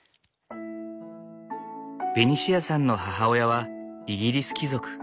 ベニシアさんの母親はイギリス貴族。